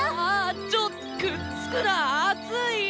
ちょくっつくなーあつい！